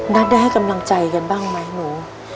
ได้ให้กำลังใจกันบ้างไหมหนู